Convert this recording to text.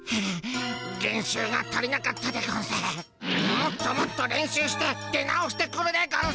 もっともっと練習して出直してくるでゴンス。